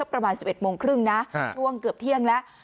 ประมาณ๑๑โมงครึ่งนะช่วงเกือบเที่ยงแล้ว